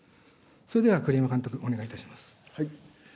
それでは栗山監督、お願いいたします。